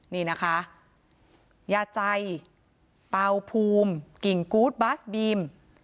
นี่นะคะยาใจเป่าภูมิกิ่งกูธบาสบีม